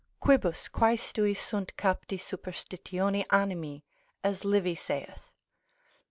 Quibus quaestui sunt capti superstitione animi, as Livy saith.